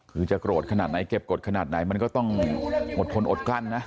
คือจะโกรธขนาดไหนเก็บกฎขนาดไหนมันก็ต้องอดทนอดกลั้นนะ